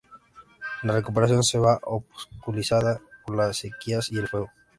La recuperación se ve obstaculizada por las sequías y el fuego.